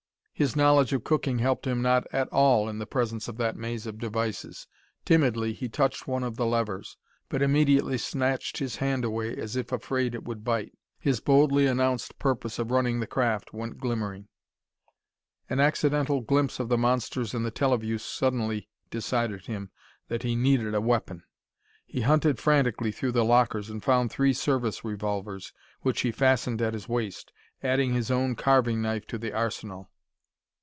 His knowledge of cooking helped him not at all in the presence of that maze of devices. Timidly he touched one of the levers, but immediately snatched his hand away as if afraid it would bite. His boldly announced purpose of running the craft went glimmering. An accidental glimpse of the monsters in the teleview suddenly decided him that he needed a weapon. He hunted frantically through the lockers and found three service revolvers, which he fastened at his waist, adding his own carving knife to the arsenal.